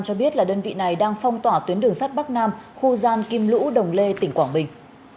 cho biết là đơn vị này đang phong tỏa tuyến đường sắt bắc nam khu gian kim lũ đồng lê tỉnh quảng bình